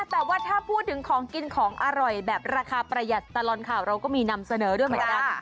แต่ว่าถ้าพูดถึงของกินของอร่อยแบบราคาประหยัดตลอดข่าวเราก็มีนำเสนอด้วยเหมือนกัน